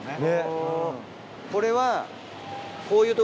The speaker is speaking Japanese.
これは。